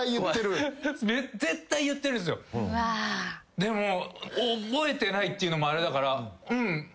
でも覚えてないって言うのもあれだからうん。